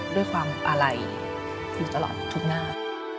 ด้วยความอาลัยอยู่ตลอดทุกหน้า